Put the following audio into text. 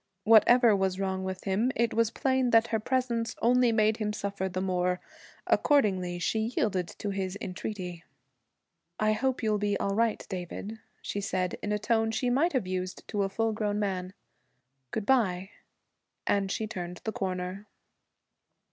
Whatever was wrong with him, it was plain that her presence only made him suffer the more. Accordingly she yielded to his entreaty. 'I hope you'll be all right, David,' she said, in a tone she might have used to a full grown man. 'Good bye.' And she turned the corner.